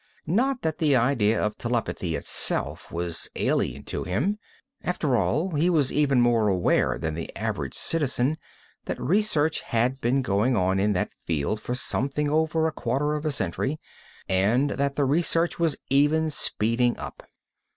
Not that the idea of telepathy itself was alien to him after all, he was even more aware than the average citizen that research had been going on in that field for something over a quarter of a century, and that the research was even speeding up.